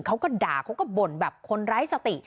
เขาก็ด่าเขาก็บ่นแบบคนไร้สติ